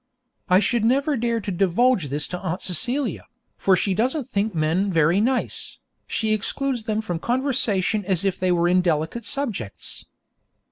I should never dare divulge this to Aunt Celia, for she doesn't think men very nice. She excludes them from conversation as if they were indelicate subjects.